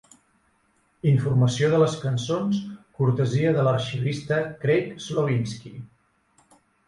Informació de les cançons cortesia de l'arxivista Craig Slowinski.